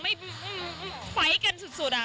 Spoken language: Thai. ไม่ฟัยกันสุดอะ